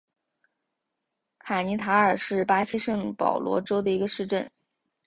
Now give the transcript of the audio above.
卡尼塔尔是巴西圣保罗州的一个市镇。